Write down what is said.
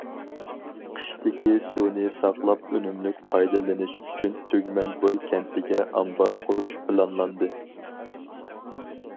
قىشتىكى سۇنى ساقلاپ ئۈنۈملۈك پايدىلىنىش ئۈچۈن، تۈگمەن بوي كەنتىگە ئامبار قۇرۇش پىلانلاندى.